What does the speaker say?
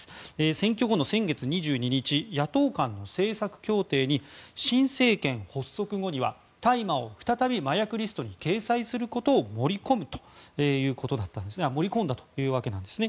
選挙後の先月２２日野党間の政策協定に新政権発足後には大麻を再び麻薬リストに掲載することを盛り込んだということです。